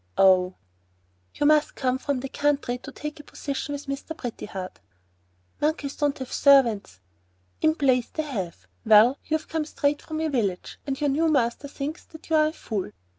"Oh...." "You have just come from the country to take a position with Mr. Pretty Heart." "Monkeys don't have servants." "In plays they have. Well, you've come straight from your village and your new master thinks that you're a fool."